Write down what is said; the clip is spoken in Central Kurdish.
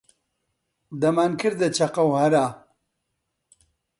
دەمانکردە چەقە و هەرا